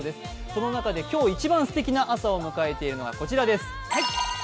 その中で今日一番すてきな朝を迎えているのは、こちらです。